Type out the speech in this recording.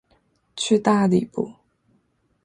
去大理不